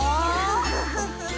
フフフフフ。